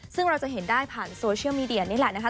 ซึ่งเราจะเห็นได้ผ่านโซเชียลมีเดียนี่แหละนะคะ